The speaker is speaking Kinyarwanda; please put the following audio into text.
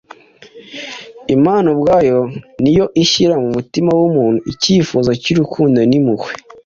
Imana ubwayo ni yo ishyira mu mutima w’umuntu icyifuzo cy’urukundo n’impuhwe.